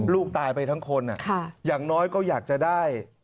ลูกตายไปทั้งคนอย่างน้อยก็อยากจะได้